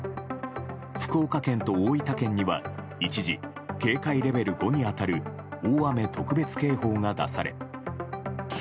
福岡県と大分県には一時、警戒レベル５に当たる大雨特別警報が出され。